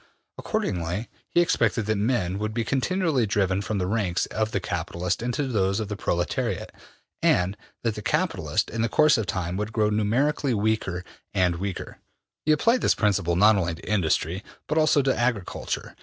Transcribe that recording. Accordingly, he expected that men would be continually driven from the ranks of the capitalists into those of the proletariat, and that the capitalists, in the course of time, would grow numerically weaker and weaker. He applied this principle not only to industry but also to agriculture.